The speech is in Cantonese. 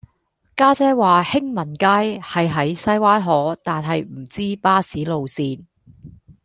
家姐話興民街係喺西灣河但係唔知巴士路線